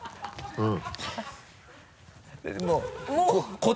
うん。